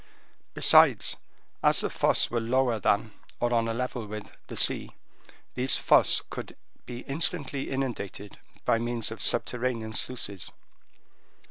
Besides, as the fosses were lower than, or on a level with, the sea, these fosses could be instantly inundated by means of subterranean sluices.